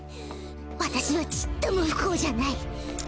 私はちっとも不幸じゃない！